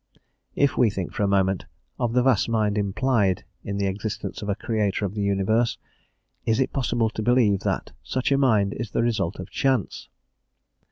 If we think for a moment of the vast mind implied in the existence of a Creator of the universe, is it possible to believe that such a mind is the result of chance?